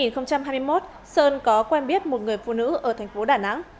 năm hai nghìn hai mươi một sơn có quen biết một người phụ nữ ở thành phố đà nẵng